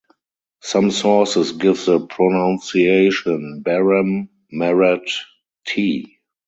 Some sources give the pronunciation 'Barram-marrat-tee'.